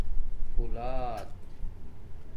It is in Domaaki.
پھݸلات